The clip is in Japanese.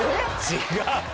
違う！